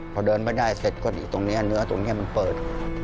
พอเดินไม่ได้เสร็จก็ตรงนี้เนื้อตรงนี้มันเปิด